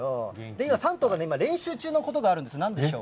今、３頭が練習中のことがあるんですよ。